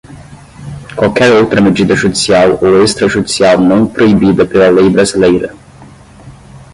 qualquer outra medida judicial ou extrajudicial não proibida pela lei brasileira.